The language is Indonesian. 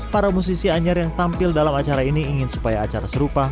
para musisi anyar yang tampil dalam acara ini ingin supaya acara serupa